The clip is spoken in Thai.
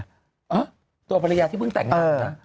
อ่ะตัวภรรยาที่เพิ่งแต่งงานนะ